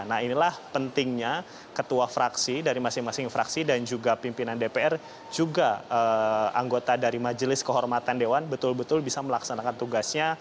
nah inilah pentingnya ketua fraksi dari masing masing fraksi dan juga pimpinan dpr juga anggota dari majelis kehormatan dewan betul betul bisa melaksanakan tugasnya